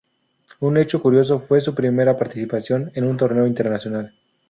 Un hecho curioso fue su primera participación en un torneo internacional.